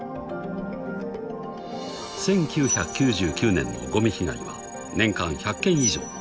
［１９９９年のごみ被害は年間１００件以上］